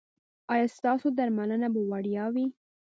ایا ستاسو درملنه به وړیا وي؟